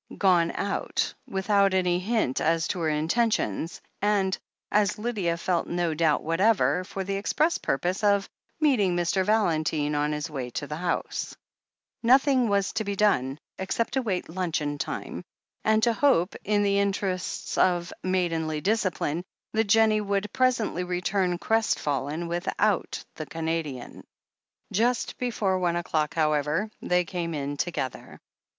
Gone out, without any hint as to her intentions, and, as Lydia felt no doubt whatever, for the express purpose of meeting Mr. Valentine on his way to the house ! Nothing was to be done, except to await luncheon time and to hope, in the interests of maidenly discipline, that Jennie would presently return crestfallen without the Canadian. Just before one o'clock, however, they came in to gether.